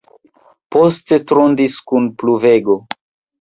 Poste tondris kun pluvego.